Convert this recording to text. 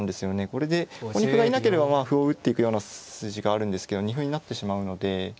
これでここに歩がいなければ歩を打っていくような筋があるんですけど二歩になってしまうので。